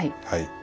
はい。